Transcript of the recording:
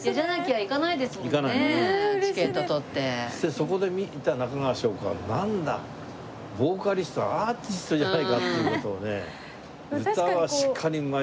そこで見た中川翔子はなんだボーカリストアーティストじゃないかって。